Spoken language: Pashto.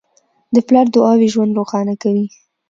د پلار دعاوې ژوند روښانه کوي.